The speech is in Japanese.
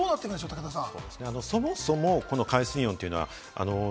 武田さん。